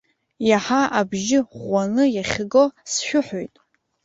Иаҳа абжьы ӷәӷәаны иахьго, сшәыҳәоит!